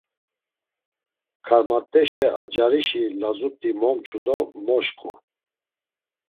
Karmat̆eşe a carişi lazut̆i momçu do moşǩu.